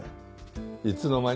いつの間に？